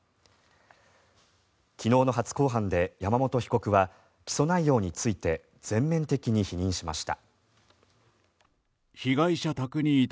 昨日の初公判で山本被告は起訴内容について全面的に否認しました。